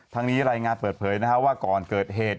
ทั้งนี้รายงานเปิดเผยว่าก่อนเกิดเหตุ